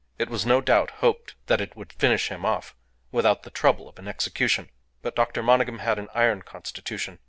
It was no doubt hoped that it would finish him off without the trouble of an execution; but Dr. Monygham had an iron constitution.